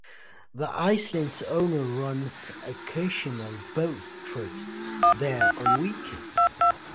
The island's owner runs occasional boat trips there on weekends.